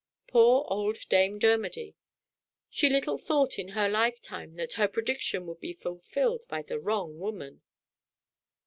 Poor old Dame Dermody. She little thought, in her life time, that her prediction would be fullfilled by the wrong woman!"